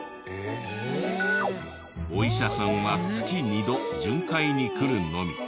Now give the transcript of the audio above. お医者さんは月２度巡回に来るのみ。